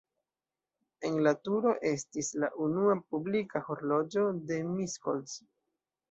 En la turo estis la unua publika horloĝo de Miskolc.